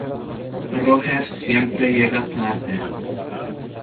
Roger siempre llega tarde.